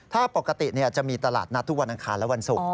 ถ้าปกติจะมีตลาดนัดทุกวันอังคารและวันศุกร์